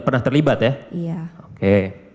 pernah terlibat ya iya oke